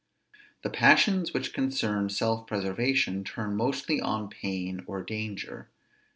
The passions which concern self preservation, turn mostly on pain or danger.